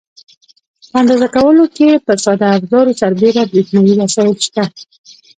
په اندازه کولو کې پر ساده افزارو سربېره برېښنایي وسایل شته.